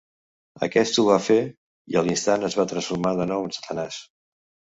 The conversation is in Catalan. Aquest ho va fer i a l'instant es va transformar de nou en Satanàs.